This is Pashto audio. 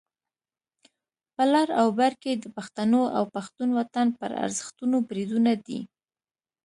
په لر او بر کې د پښتنو او پښتون وطن پر ارزښتونو بریدونه دي.